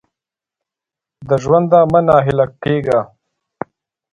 د ژونده مه نا هیله کېږه !